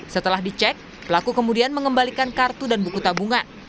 setelah dicek pelaku kemudian mengembalikan kartu dan buku tabungan